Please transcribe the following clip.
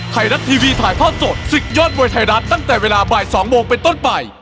ไทยรัฐทีวีถ่ายทอดสดศึกยอดมวยไทยรัฐตั้งแต่เวลาบ่าย๒โมงเป็นต้นไป